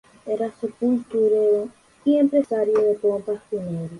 Era sepulturero y empresario de pompas fúnebres.